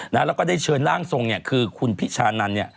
แล้วก็ได้เชิญร่างทรงคือคุณพี่ชานัน